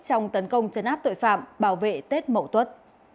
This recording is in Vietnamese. trong tấn công chấn áp tội phạm bảo vệ tết mậu tuất